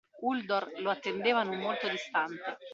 Uldor lo attendeva non molto distante.